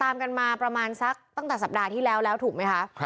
ตามกันมาประมาณสักตั้งแต่สัปดาห์ที่แล้วแล้วถูกไหมคะ